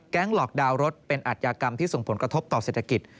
หลอกดาวน์รถเป็นอัธยากรรมที่ส่งผลกระทบต่อเศรษฐกิจ